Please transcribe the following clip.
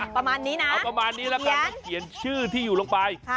ประมาณนี้นะเอาประมาณนี้แล้วกันแล้วเขียนชื่อที่อยู่ลงไป